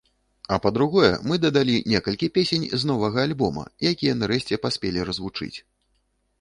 А па-другое, мы дадалі некалькі песень з новага альбома, якія нарэшце паспелі развучыць.